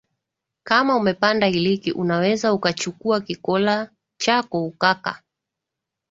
kama umepanda iliki unaweza ukachukuwa kikola chako ukaka